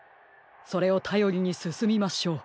それをたよりにすすみましょう。